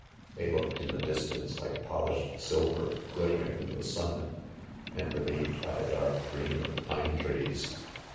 They looked in the distance like polished silver, glittering in the sun, and relieved by the dark green of the pine trees.